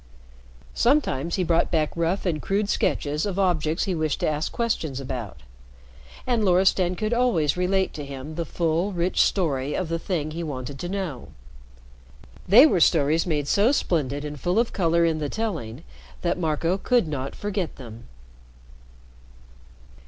Sometimes he brought back rough and crude sketches of objects he wished to ask questions about, and Loristan could always relate to him the full, rich story of the thing he wanted to know. They were stories made so splendid and full of color in the telling that Marco could not forget them.